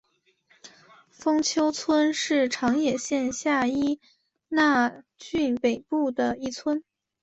丰丘村是长野县下伊那郡北部的一村。